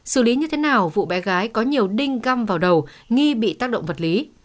xử lý như thế nào vụ bé gái có nhiều đinh găm vào đầu nghi bị tác động vật lý